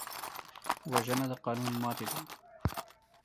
وژنه د قانون ماتې ده